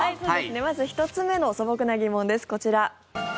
まず１つ目の素朴な疑問です、こちら。